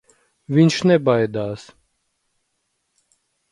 Viņš nebaidās.